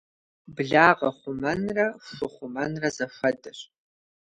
Благъэ хъумэнрэ ху хъумэнрэ зэхуэдэщ.